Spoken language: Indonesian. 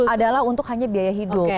adalah untuk hanya biaya hidup